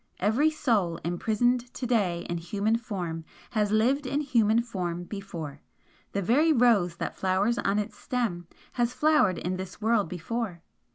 Every soul imprisoned to day in human form has lived in human form before, the very rose that flowers on its stem has flowered in this world before.